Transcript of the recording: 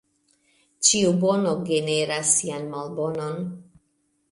Ĉiu bono generas sian malbonon.